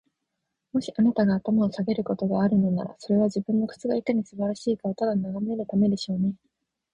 もし、あなたが頭を下げることがあるのなら、それは、自分の靴がいかに素晴らしいかをただ眺めるためでしょうね。